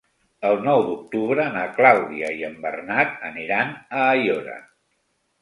El nou d'octubre na Clàudia i en Bernat aniran a Aiora.